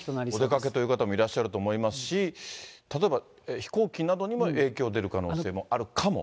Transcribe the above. お出かけという方もいらっしゃると思いますし、例えば飛行機などにも影響が出る可能性もあるかも？